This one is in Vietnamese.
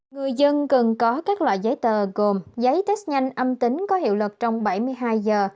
người dân cần có các loại giấy tờ gồm giấy test nhanh âm tính có hiệu lực trong bảy mươi hai giờ